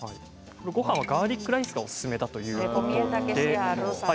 ごはんはガーリックライスがおすすめということです。